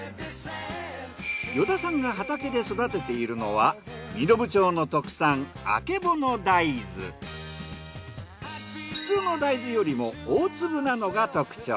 依田さんが畑で育てているのは身延町の特産普通の大豆よりも大粒なのが特徴。